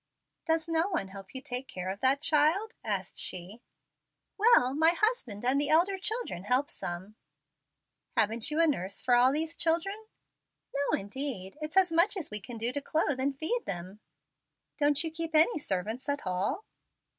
"Does no one help you take care of that child?" asked she. "Well, my husband and the elder children help some." "Haven't you a nurse for all these children?" "No, indeed. It's as much as we can do to clothe and feed them." "Don't you keep any servants at all?"